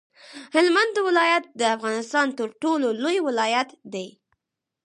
هلمند ولایت د افغانستان تر ټولو لوی ولایت دی.